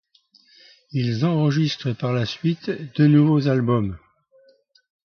Ils enregistrent par la suite deux nouveaux albums.